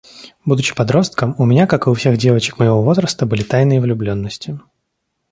Будучи подростком, у меня как и у всех девочек моего возраста, были тайные влюбленности.